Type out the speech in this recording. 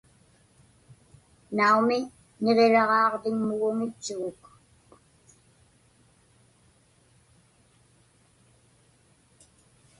Naumi, niġiraġaaġviŋmuguŋitchuguk.